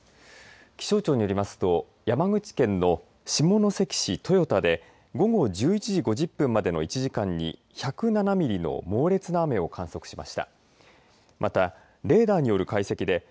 気象庁によりますと、山口県の下関市豊田で午後１１時５０分までの１時間に１０７ミリの猛烈な雨を観測しました。